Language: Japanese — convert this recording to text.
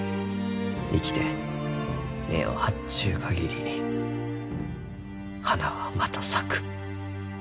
生きて根を張っちゅう限り花はまた咲く。